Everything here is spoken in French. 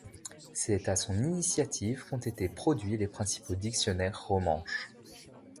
C’est à son initiative qu’ont été produits les principaux dictionnaires romanches.